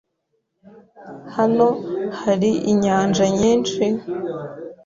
Hano hano hari inyanja nyinshi?